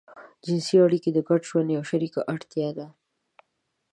جنسي اړيکې د ګډ ژوند يوه شريکه اړتيا ده.